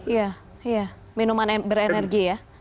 ya minuman berenergi ya